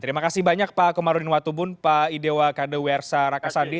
terima kasih banyak pak komarudin watubun pak idewa kadewersa rakasade